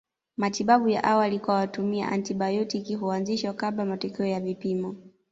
Matibabu ya awali kwa kutumia antibayotiki huanzishwa kabla matokeo ya vipimo